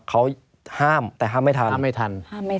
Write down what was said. เขาห้ามแต่ห้ามไม่ทัน